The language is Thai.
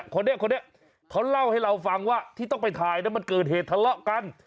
คนนี้คนนี้เขาเล่าให้เราฟังว่าที่ต้องไปถ่ายมันเกิดเหตุทะเลาะกัน